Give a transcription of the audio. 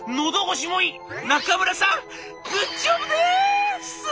「中村さんグッジョブです！」。